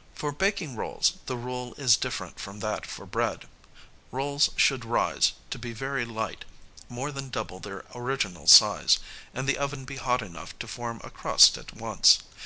] For baking rolls the rule is different from that for bread. Rolls should rise, to be very light, more than double their original size, and the oven be hot enough to form a crust at once.